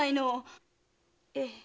ええ。